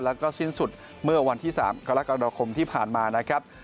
แล้วก็สิ้นสุดเมื่อวันที่๓กรกฎาคมที่ผ่านมานะครับ